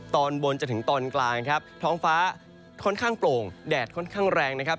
ตอนบนจนถึงตอนกลางครับท้องฟ้าค่อนข้างโปร่งแดดค่อนข้างแรงนะครับ